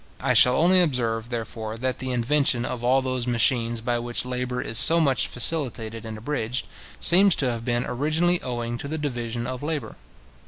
I shall only observe, therefore, that the invention of all those machines by which labour is so much facilitated and abridged, seems to have been originally owing to the division of labour.